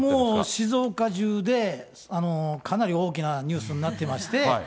もう静岡中でかなり大きなニュースになっていまして、